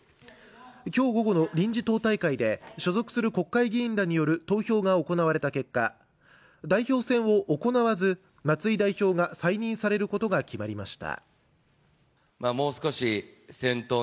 今日午後の臨時党大会で、所属する国会議員らによる投票が行われた結果、代表選を行わず、松井代表が再任されることが決まりました。